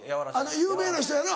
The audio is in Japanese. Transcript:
・有名な人やな。